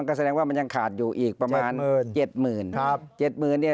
นั่นแสดงว่ามันยังขาดอยู่ประมาณ๗๐๐๐๐